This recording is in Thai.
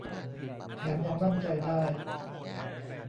แถมยังมั่นใจได้